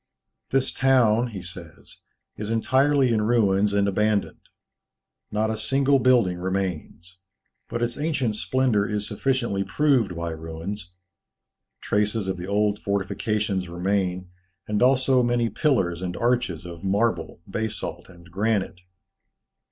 "This town," he says, "is entirely in ruins and abandoned. Not a single building remains; but its ancient splendour is sufficiently proved by ruins. Traces of the old fortifications remain, and also many pillars and arches of marble, basalt, and granite.